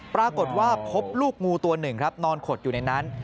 ปรากฏว่าพบลูกงูตัวหนึ่งครับนอนขดอยู่ในนั้น